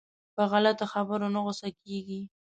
په غلطو خبرو نه غوسه کېږي.